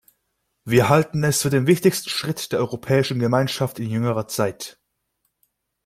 Wir halten es für den wichtigsten Schritt der Europäischen Gemeinschaft in jüngerer Zeit.